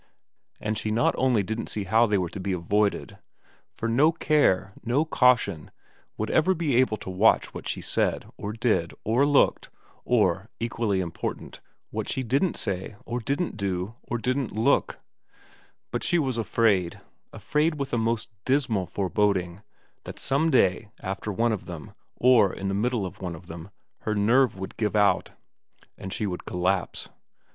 And she not only didn't see how they were to be avoided for no care, no caution would for ever be able to watch what she said, or did, or looked, or, equally important, what she didn't say, or didn't do, or didn't look but she was afraid, afraid with a most dismal foreboding, that some day after one of them, or in the middle of one of them, her nerve would give out and she would collapse.